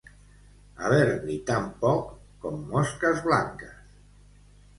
Haver-n'hi tan poc com mosques blanques.